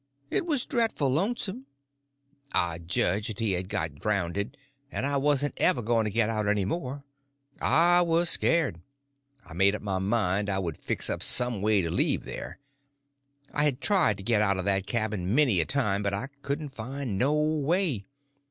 It was dreadful lonesome. I judged he had got drownded, and I wasn't ever going to get out any more. I was scared. I made up my mind I would fix up some way to leave there. I had tried to get out of that cabin many a time, but I couldn't find no way.